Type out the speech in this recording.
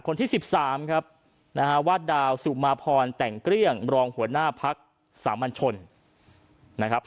คนที่๑๓ครับนะฮะวาดดาวสุมาพรแต่งเกลี้ยงรองหัวหน้าพักสามัญชนนะครับ